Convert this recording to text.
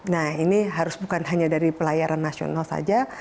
nah ini harus bukan hanya dari pelayaran nasional saja